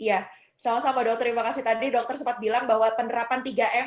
iya sama sama dokter terima kasih tadi dokter sempat bilang bahwa penerapan tiga m